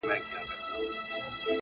هره هڅه د بریا پر لور حرکت دی!.